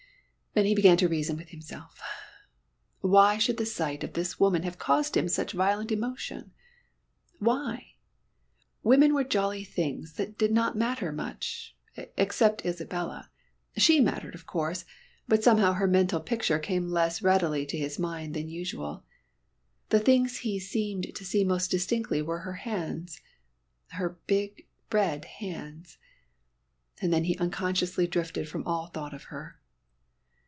Then he began to reason with himself. Why should the sight of this woman have caused him such violent emotion? Why? Women were jolly things that did not matter much except Isabella. She mattered, of course, but somehow her mental picture came less readily to his mind than usual. The things he seemed to see most distinctly were her hands her big red hands. And then he unconsciously drifted from all thought of her.